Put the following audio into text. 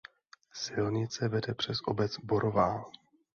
Silnice vede přes obec Borová.